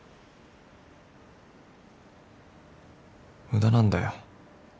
無駄なんだよ